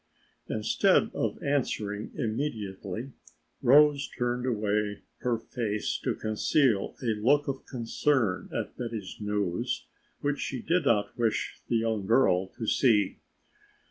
Instead of answering immediately Rose turned away her face to conceal a look of concern at Betty's news which she did not wish the young girl to see.